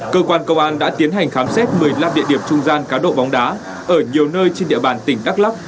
cơ quan công an đã tiến hành khám xét một mươi năm địa điểm trung gian cá độ bóng đá ở nhiều nơi trên địa bàn tỉnh đắk lắc